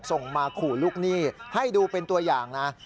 ส่งมาขู่ลูกหนี้ให้ดูเป็นตัวอย่างนะ